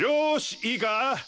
いいか？